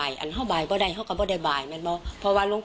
เธียบหรือก็ด่วง